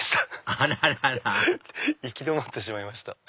あららら行き止まってしまいました。